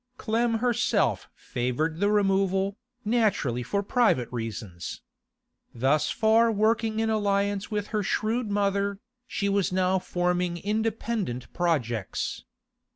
Clem herself favoured the removal, naturally for private reasons. Thus far working in alliance with her shrewd mother, she was now forming independent projects.